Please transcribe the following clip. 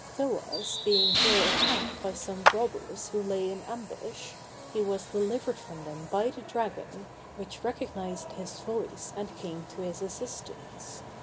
Thoas being here attacked by some robbers who lay in ambush, he was delivered from them by the dragon, which recognized his voice and came to his assistance.